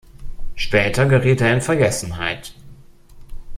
Später geriet er in Vergessenheit.